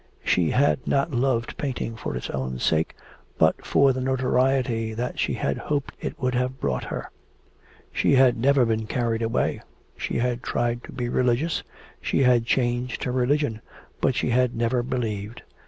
She had not loved painting for its own sake, but for the notoriety that she had hoped it would have brought her. She had never been carried away. She had tried to be religious; she had changed her religion. But she had never believed.